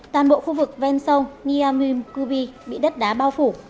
toàn bộ khu vực ven sông nyamimkubi bị đất đá bao phủ